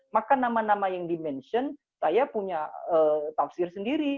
maka nama nama yang dimention saya punya tafsir sendiri